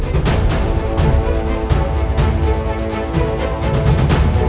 untuk menyusup ke istana